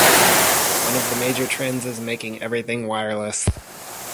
One of the major trends is making everything wireless.